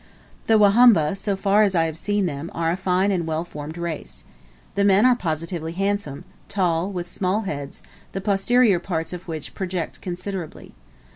The Wahumba, so far as I have seen them, are a fine and well formed race. The men are positively handsome, tall, with small heads, the posterior parts of which project considerably.